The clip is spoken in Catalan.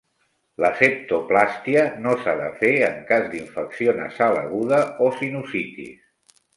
La septoplàstia no s'ha de fer en cas d'infecció nasal aguda o sinusitis.